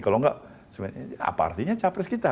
kalau enggak apa artinya capres kita